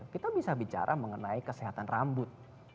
kita bisa bicara mengenai kesehatan rambut